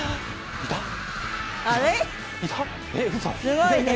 すごいね！